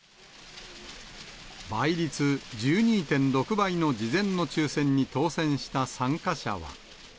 倍率１２．６倍の事前の抽せんに当せんした参加者は。